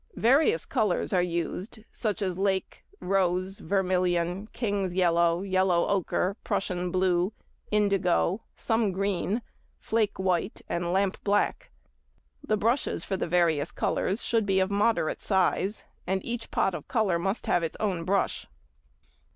Various colours are used, such as lake, rose, vermilion, king's yellow, yellow ochre, |70| Prussian blue, indigo, some green, flake white, and lamp black. The brushes for the various colours should be of moderate size, and each pot of colour must have its own brush.